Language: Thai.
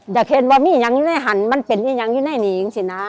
อยากเห็นว่ามีอย่างในหันมันเป็นอย่างในหนิงสินะ